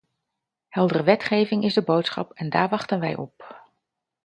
Heldere wetgeving is de boodschap en daar wachten wij op.